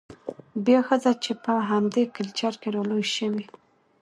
بيا ښځه چې په همدې کلچر کې رالوى شوې،